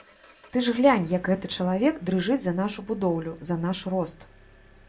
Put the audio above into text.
Ты ж глянь, як гэты чалавек дрыжыць за нашу будоўлю, за наш рост.